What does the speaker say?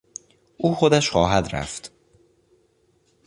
او خودش خواهد رفت.